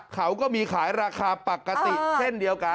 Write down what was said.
เขาก็มีขายราคาปกติเช่นเดียวกัน